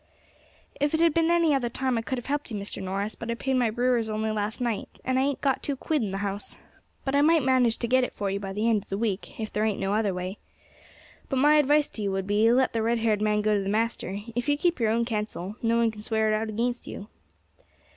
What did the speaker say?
"If it had been any other time I could have helped you, Mr. Norris, but I paid my brewers only last night, and I ain't got two quid in the house; but I might manage to get it for you by the end of the week, if there ain't no other way. But my advice to you would be, let the red haired man go to the master; if you keep your own counsel, no one can swear it out against you."